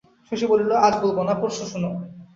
শশী বলিল, আজ বলব না, পরশু শুনো।